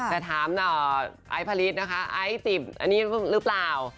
แต่ถามไอ้พาริสนะคะไอ้จีบอันนี้หรือเปล่า